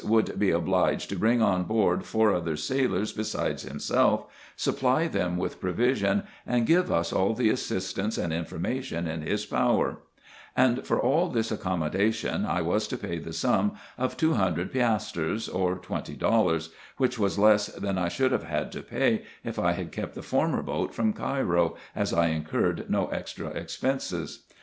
65 should be obliged to bring on board four other sailors besides himself, supply them with provision, and give us all the assistance and information in his power ; and for all this accommodation I was to pay the sum of two hundred piastres, or twenty dollars, which was less than I should have had to pay, if I had kept the former boat from Cairo, as I incurred no extra expenses.